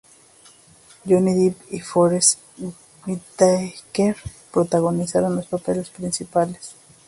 Johnny Depp y Forest Whitaker protagonizan los papeles principales.